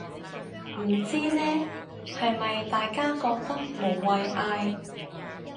唔知呢，係咪大家覺得無謂嗌